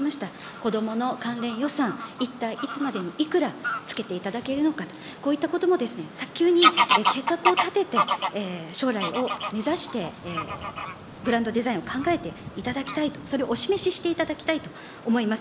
子どもの関連予算、一体いつまでにいくらつけていただけるのかと、こういったことも早急に計画を立てて、将来を目指して、グランドデザインを考えていただきたいと、それをお示ししていただきたいと思います。